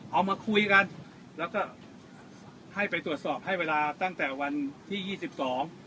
เอามาคุยกันแล้วก็ให้ไปตรวจสอบให้เวลาตั้งแต่วันที่ยี่สิบสอง